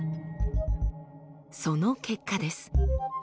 その結果です。